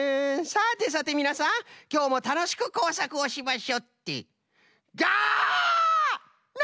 さてさてみなさんきょうもたのしくこうさくをしましょってどわ！